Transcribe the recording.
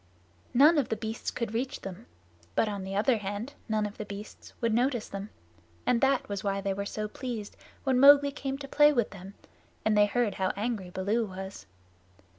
None of the beasts could reach them, but on the other hand none of the beasts would notice them, and that was why they were so pleased when Mowgli came to play with them, and they heard how angry Baloo was.